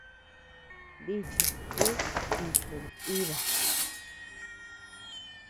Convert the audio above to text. Nichis ú iku nʼiba.